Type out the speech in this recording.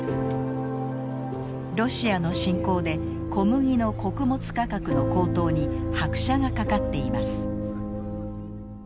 ロシアの侵攻で小麦の穀物価格の高騰に拍車がかかっています。